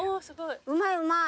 うまいうまい。